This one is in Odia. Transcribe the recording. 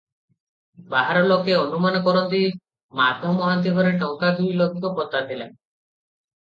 ବାହାର ଲୋକେ ଅନୁମାନ କରନ୍ତି, ମାଧ ମହାନ୍ତି ଘରେ ଟଙ୍କା ଦୁଇ ଲକ୍ଷ ପୋତା ଥିଲା ।